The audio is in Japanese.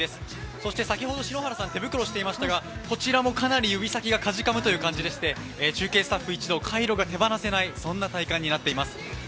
そして先ほど篠原さん、手袋をしていましたがこちらもかなり指先がかじかむという感じで中継スタッフ一同カイロが手放せない体感になっています。